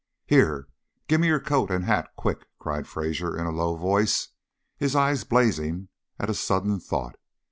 "Here! Gimme your coat and hat, quick!" cried Fraser in a low voice, his eyes blazing at a sudden, thought.